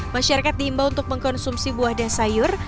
masyarakat diimbau untuk mengkonsumsi buah dan sayur